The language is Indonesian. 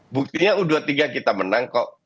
buktinya u dua puluh tiga kita menang kok